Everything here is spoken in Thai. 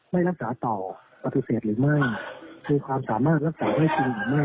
ไม่รักษาต่อปฏิเสธหรือไม่มีความสามารถรักษาได้จริงหรือไม่